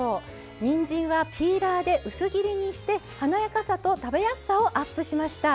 にんじんはピーラーで薄切りにして華やかさと食べやすさをアップしました。